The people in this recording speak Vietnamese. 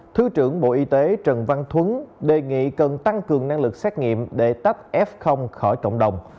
thứ trưởng bộ y tế trần văn thuấn đề nghị cần tăng cường năng lực xét nghiệm để tấp f khỏi cộng đồng